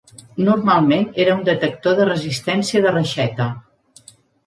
Normalment era un detector de resistència de reixeta.